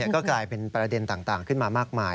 ก็กลายเป็นประเด็นต่างขึ้นมามากมาย